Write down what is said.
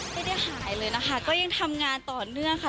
ไม่ได้หายเลยนะคะก็ยังทำงานต่อเนื่องค่ะ